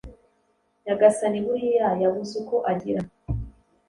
Nyagasani buriya yabuze uko agira